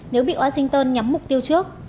nếu bị washington nhắm mục tiêu trước